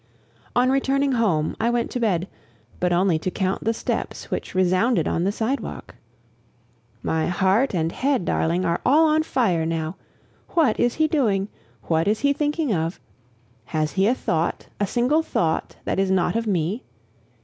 On returning home I went to bed, but only to count the steps which resounded on the sidewalk. My heart and head, darling, are all on fire now. What is he doing? What is he thinking of? Has he a thought, a single thought, that is not of me?